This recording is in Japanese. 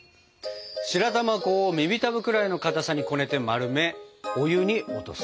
白玉粉を耳たぶぐらいのかたさにこねて丸めお湯に落とす。